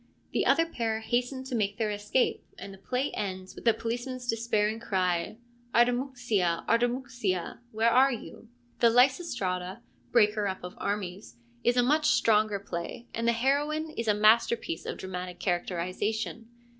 The other pair hasten to make their escape, and the play ends with the policeman's des pairing cry, Artamouxia, Artamouxia, where are you? ' The Lysistrata, ' breaker up of armies,' is a much stronger play, and the heroine is a masterpiece of dramatic characterisation.